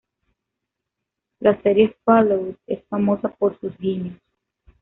La serie "Fallout" es famosa por sus guiños.